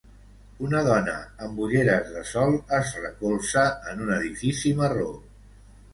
Una dona amb ulleres de sol es recolza en un edifici marró